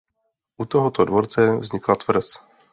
U tohoto dvorce vznikla tvrz.